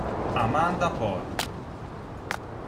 Amanda Polk